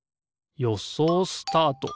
よそうスタート！